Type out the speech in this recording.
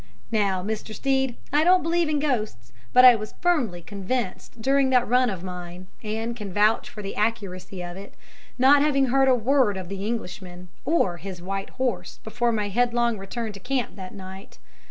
"Now, Mr. Stead, I don't believe in ghosts, but I was firmly convinced during that run of mine, and can vouch for the accuracy of it, not having heard a word of the Englishman or his white horse before my headlong return to the camp that night.